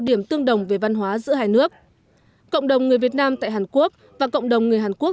điểm tương đồng về văn hóa giữa hai nước cộng đồng người việt nam tại hàn quốc và cộng đồng người hàn quốc